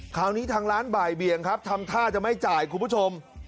คราวนี้ทางร้านบ่ายเบียงครับทำท่าจะไม่จ่ายคุณผู้ชม